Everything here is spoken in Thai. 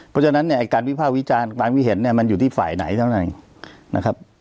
เพราะฉะนั้นการวิภาควิจารณ์การวิเหตุมันอยู่ที่ฝ่ายไหนเท่านั้น